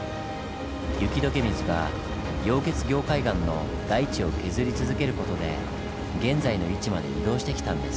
雪解け水が溶結凝灰岩の大地を削り続ける事で現在の位置まで移動してきたんです。